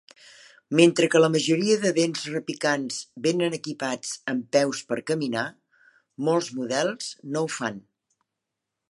Mentre que la majoria de dents repicants venen equipats amb peus per caminar, molts models no ho fan.